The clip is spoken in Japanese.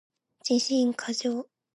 自信過剰